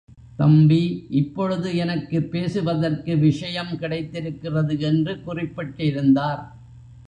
தம்பி, இப்பொழுது எனக்கு பேசுவதற்கு விஷயம் கிடைத்திருக்கிறது என்று குறிப்பிட்டிருந்தார்.